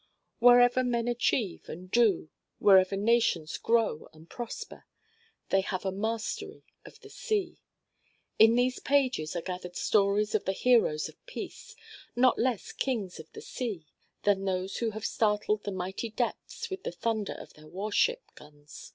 Wherever men achieve and do, wherever nations grow and prosper, they have a mastery of the sea. In these pages are gathered stories of the heroes of peace, not less kings of the sea than those who have startled the mighty depths with the thunder of their war ship guns.